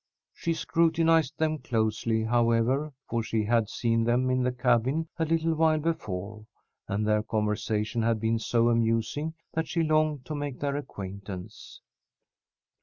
She scrutinized them closely, however, for she had seen them in the cabin a little while before, and their conversation had been so amusing that she longed to make their acquaintance.